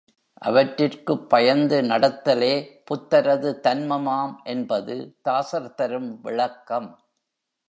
அவற்றிற்குப் பயந்து நடத்தலே புத்தரது தன்மமாம் என்பது தாசர்தரும் விளக்கம்.